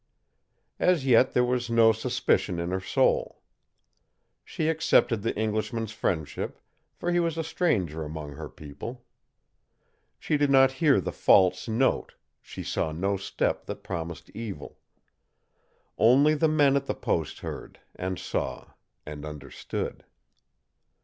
As yet there was no suspicion in her soul. She accepted the Englishman's friendship, for he was a stranger among her people. She did not hear the false note, she saw no step that promised evil. Only the men at the post heard, and saw, and understood.